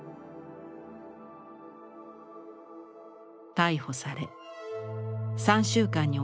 逮捕され３週間に及ぶ勾留。